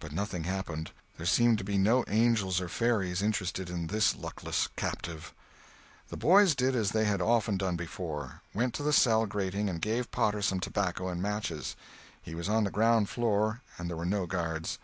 But nothing happened; there seemed to be no angels or fairies interested in this luckless captive. The boys did as they had often done before—went to the cell grating and gave Potter some tobacco and matches. He was on the ground floor and there were no guards.